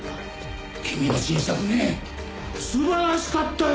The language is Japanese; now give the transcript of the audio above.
君の新作ね素晴らしかったよ！